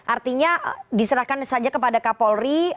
artinya diserahkan saja kepada kapolri